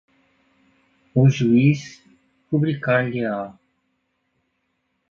o juiz rubricar-lhe-á